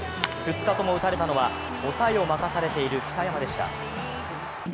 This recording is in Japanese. ２日とも打たれたのは抑えを任されている北山でした。